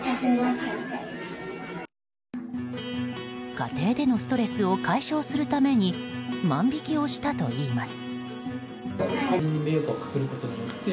家庭でのストレスを解消するために万引きをしたといいます。